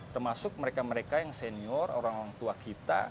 termasuk mereka mereka yang senior orang orang tua kita